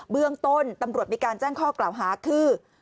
เบื้องต้นตำรวจมีการแจ้งข้อกล่าวหาคือ